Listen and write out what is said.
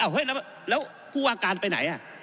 อ้าวเฮ้ยแล้วผู้ว่าการไปไหนอ่ะ